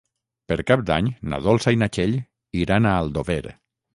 Per Cap d'Any na Dolça i na Txell iran a Aldover.